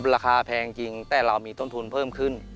แพงจริงแต่เรามีต้นทุนเพิ่มขึ้น